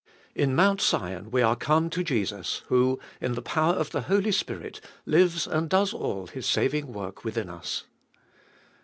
In Mount Sion we are come to Jesus, who, in the power of the Holy Spirit, lives and does all His saving work within us.